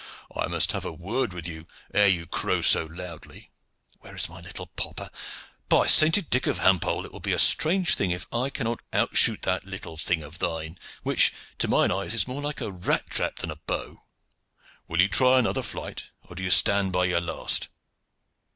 "I must have a word with you ere you crow so loudly. Where is my little popper? By sainted Dick of Hampole! it will be a strange thing if I cannot outshoot that thing of thine, which to my eyes is more like a rat trap than a bow. Will you try another flight, or do you stand by your last?"